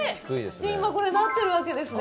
今これ、なってるわけですね。